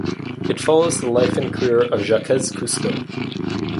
It follows the life and career of Jacques Cousteau.